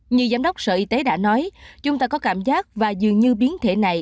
như giám đốc sở y tế đã nói chúng ta có cảm giác và dường như biến thể này